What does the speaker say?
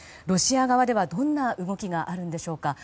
ロシア側ではどんな動きがあるんでしょうか。